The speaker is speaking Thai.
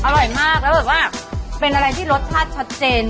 อร่อยมากแล้วแบบว่าเป็นอะไรที่รสชาติชัดเจน